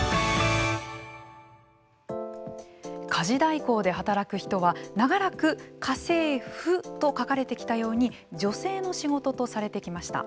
家事代行で働く人は長らく家政婦と書かれてきたように女性の仕事とされてきました。